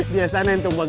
dia sana yang tombak